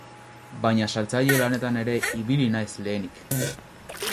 Baina saltzaile lanetan ere ibili naiz lehenik.